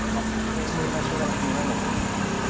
これが将来的に何目になるか。